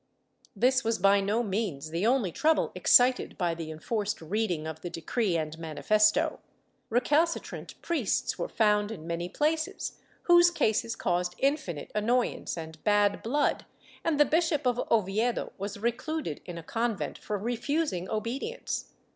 ^ This was by no means the only trouble excited by the enforced reading of the decree and manifesto. Recalcitrant priests w^re found in many places, whose cases caused infinite annoyance and bad blood and the Bishop of Oviedo was recluded in a convent for refusing obedience."